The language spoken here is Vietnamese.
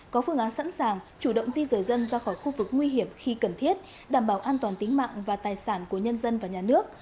có phương án sẵn sàng chủ động di rời dân ra khỏi khu vực nguy hiểm khi cần thiết đảm bảo an toàn tính mạng và tài sản của nhân dân và nhà nước